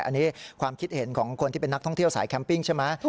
อันนี้ความคิดเห็นของคนที่เป็นนักท่องเที่ยวสายแคมปิ้งใช่ไหม